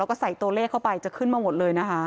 แล้วก็ใส่ตัวเลขเข้าไปจะขึ้นมาหมดเลยนะคะ